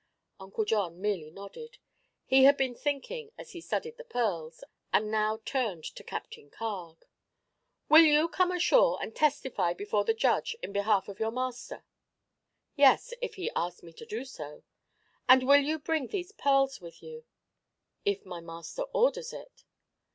Uncle John merely nodded. He had been thinking, as he studied the pearls, and now turned to Captain Carg. "Will you come ashore and testify before the judge in behalf of your master?" "Yes, if he asks me to do so." "And will you bring these pearls with you?" "If my master orders it."